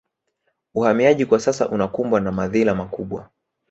Uhamiaji kwa sasa unakumbwa na madhila makubwa